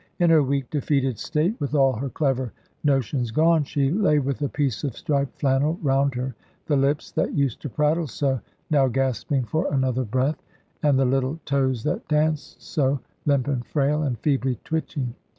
In her weak, defeated state, with all her clever notions gone, she lay with a piece of striped flannel round her, the lips, that used to prattle so, now gasping for another breath, and the little toes that danced so, limp, and frail, and feebly twitching.